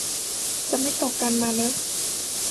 จะไม่ตกกันมาเนอะ